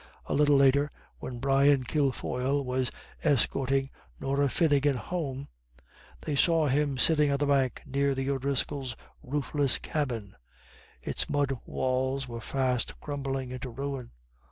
A little later, when Brian Kilfoyle was escorting Norah Finnegan home, they saw him sitting on the bank near the O'Driscolls' roofless cabin. Its mud walls were fast crumbling into ruin.